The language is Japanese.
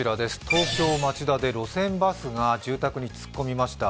東京・町田市の路線バスが住宅に突っ込みました。